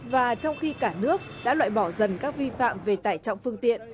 và trong khi cả nước đã loại bỏ dần các vi phạm về tải trọng phương tiện